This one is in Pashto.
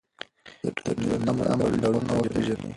د ټولنیز عمل ډولونه وپېژنئ.